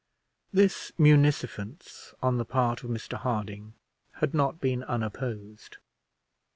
This munificence on the part of Mr Harding had not been unopposed.